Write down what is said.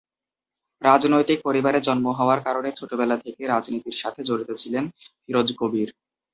রাজনৈতিক পরিবারে জন্ম হওয়ার কারণে ছোট বেলা থেকে রাজনীতির সাথে জড়িত ছিলেন ফিরোজ কবির।